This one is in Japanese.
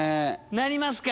なりますか？